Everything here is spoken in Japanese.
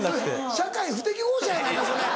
社会不適合者やないかそれ。